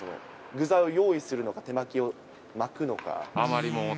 具材を用意するのか、手巻きを巻くのか。